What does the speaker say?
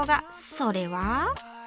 それは。